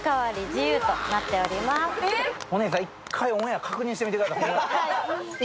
お姉さん、一回オンエア確認してください。